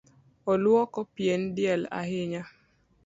Oluoko pien del ahinya.